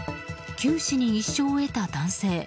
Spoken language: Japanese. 九死に一生を得た男性。